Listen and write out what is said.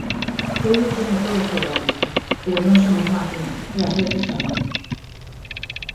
Eu deixeino todo sobre a pista, pero non somos máquinas e ás veces fallamos.